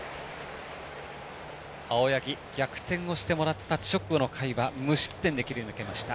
青柳、逆転をしてもらった直後の回は無失点で切り抜けました。